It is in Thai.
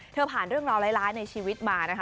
ผ่านเรื่องราวร้ายในชีวิตมานะคะ